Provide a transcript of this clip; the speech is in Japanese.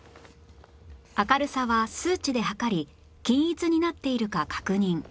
明るさは数値で測り均一になっているか確認